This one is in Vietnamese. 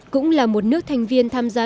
cũng là một nước thành viên tham gia